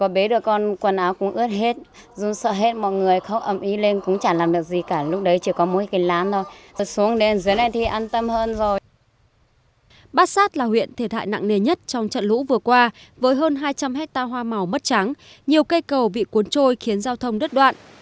bát sát là huyện thiệt hại nặng nề nhất trong trận lũ vừa qua với hơn hai trăm linh hectare hoa màu mất trắng nhiều cây cầu bị cuốn trôi khiến giao thông đứt đoạn